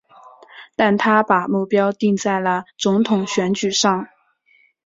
但他把目标定在了总统选举上。